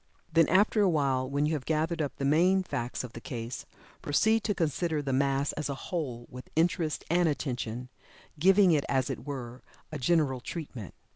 Then after a while when you have gathered up the main facts of the case, proceed to consider the mass as a whole, with interest and attention, giving it as it were a "general treatment."